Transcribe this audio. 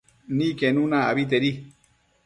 Niquenuna abetedi